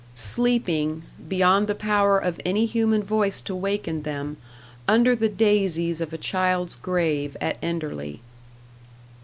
Sleeping, beyond the power of any human voice to waken them, under the daisies of a child's grave at Enderley.